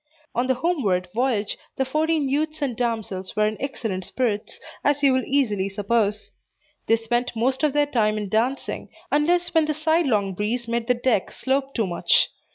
On the homeward voyage, the fourteen youths and damsels were in excellent spirits, as you will easily suppose. They spent most of their time in dancing, unless when the sidelong breeze made the deck slope too much.